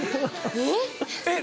えっ！